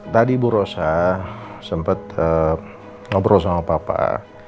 tadi ibu rosa sempat ngobrol sama bapak